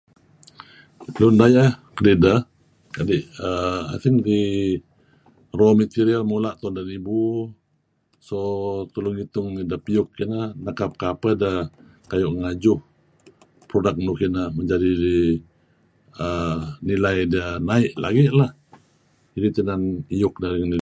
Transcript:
Lun dayeh kedideh, kadi' err I think raw material mula' tu'en deh nibu. So tulu ngitung ideh piyuk kineh nekap kapeh ideh kayu' ngajuh product nuk ineh menjadi' err nilai deh naik lagi' lah idih teh inan iyuk deh ngidih.